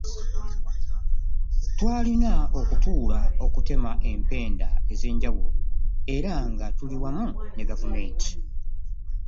Twalina okutuula okutema empenda ez'enjawulo era nga tuli wamu ne gavumenti.